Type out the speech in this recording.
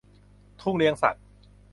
ทุ่งเลี้ยงสัตว์